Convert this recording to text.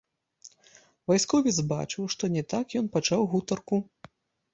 Вайсковец бачыў, што не так ён пачаў гутарку.